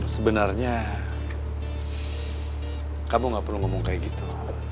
sebenarnya kamu tidak perlu ngomong seperti itu